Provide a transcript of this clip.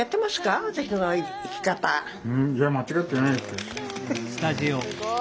いや間違ってないです。